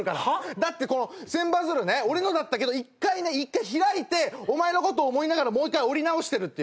だってこの千羽鶴ね俺のだったけど１回開いてお前のことを思いながらもう１回折り直してるっていう。